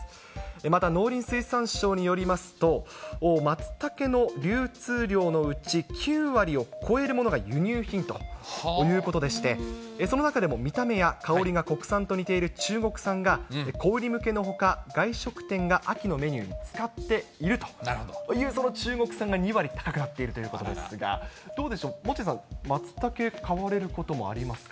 また、農林水産省によりますと、マツタケの流通量のうち９割を超えるものが輸入品ということでして、その中でも見た目や香りが国産と似ている中国産が小売り向けのほか、外食店が秋のメニューに使っているという、その中国産が２割高くなっているということですが、どうでしょう、モッチーさん、マツタケ、買われることありますか。